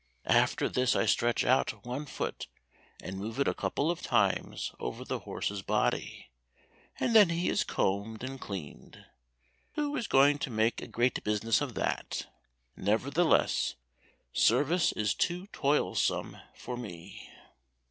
After this I stretch out one foot and move it a couple of times over the horse's body, and then he is combed and cleaned. Who is going to make a great business of that? Nevertheless service is too toilsome for me."